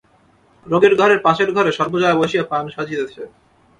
রোগীর ঘরের পাশের ঘরে সর্বজয়া বসিয়া পান সাজিতেছে।